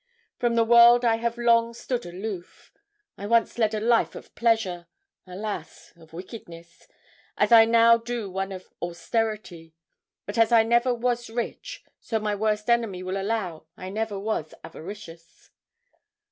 From the world I have long stood aloof. I once led a life of pleasure alas! of wickedness as I now do one of austerity; but as I never was rich, so my worst enemy will allow I never was avaricious.